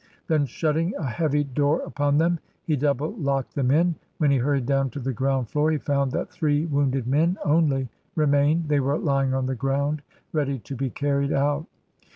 Then, shutting a heavy door upon them, he double locked them in. When he hurried down to the ground floor, he found that three wounded men only re mained; they were lying on the ground, ready to be carried out.